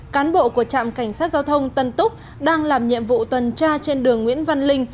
cán bộ của trạm cảnh sát giao thông tân túc đang làm nhiệm vụ tuần tra trên đường nguyễn văn linh